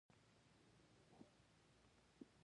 دریشي د دفتري نظم برخه ده.